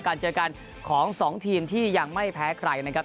เจอกันของ๒ทีมที่ยังไม่แพ้ใครนะครับ